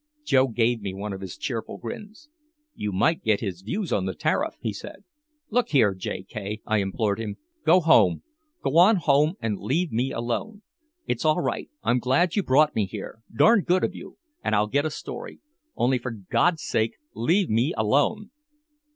Joe gave me one of his cheerful grins. "You might get his views on the tariff," he said. "Look here, J. K.," I implored him; "go home. Go on home and leave me alone. It's all right, I'm glad you brought me here darned good of you, and I'll get a story. Only for God's sake leave me alone!"